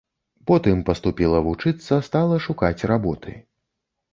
Потым паступіла вучыцца, стала шукаць работы.